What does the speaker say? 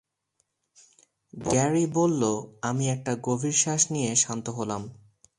Gary বললো, আমি একটা গভীর শ্বাস নিয়ে শান্ত হলাম।